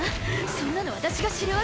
そんなの私が知るわけ。